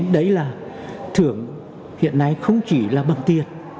đấy là thưởng hiện nay không chỉ là bằng tiền